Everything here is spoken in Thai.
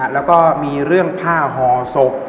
แล้วก็มีเรื่องผ้าห่อศพ